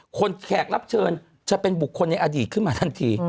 แขกรับเชิญจะเป็นบุคคลในอดีตขึ้นมาทันที